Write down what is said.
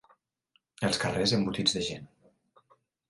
Els carrers embotits de gent.